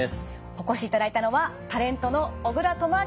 お越しいただいたのはタレントの小倉智昭さんです。